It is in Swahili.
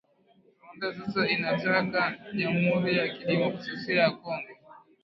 Rwanda sasa inataka jamhuri ya kidemokrasia ya Kongo